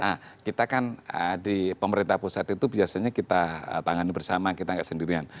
nah kita kan di pemerintah pusat itu biasanya kita tangani bersama kita nggak sendirian